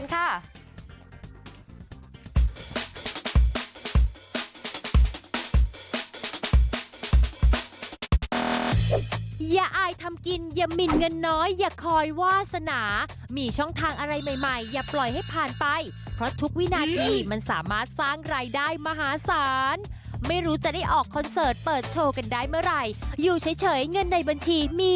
ว่าทำได้ยังไงไปติดตามจากช่วงวิเศษนี้กันค่ะ